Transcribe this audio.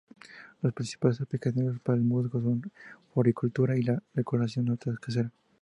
Las principales aplicaciones para el musgo son en floricultura, y la decoración casera.